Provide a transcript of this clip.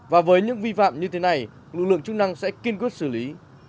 và với những vi phạm như thế này lực lượng chức năng sẽ kiên quyết xử lý